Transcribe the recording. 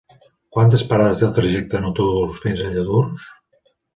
Quantes parades té el trajecte en autobús fins a Lladurs?